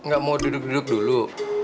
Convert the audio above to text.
gak mau duduk duduk dulu